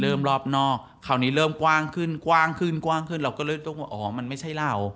รอบนอกคราวนี้เริ่มกว้างขึ้นกว้างขึ้นกว้างขึ้นเราก็เลยต้องว่าอ๋อมันไม่ใช่เรา